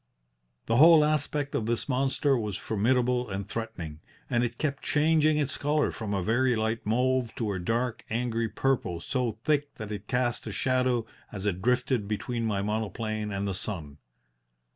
"The whole aspect of this monster was formidable and threatening, and it kept changing its colour from a very light mauve to a dark, angry purple so thick that it cast a shadow as it drifted between my monoplane and the sun.